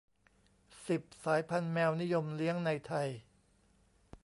สิบ สายพันธุ์แมวนิยมเลี้ยงในไทย